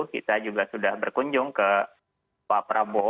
kita juga sudah berkunjung ke pak prabowo